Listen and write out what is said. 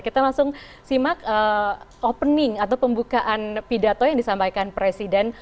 kita langsung simak opening atau pembukaan pidato yang disampaikan presiden